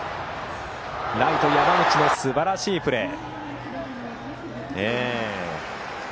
ライト山口のすばらしいプレー。